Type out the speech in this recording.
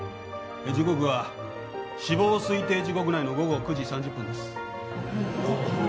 時刻は死亡推定時刻内の午後９時３０分。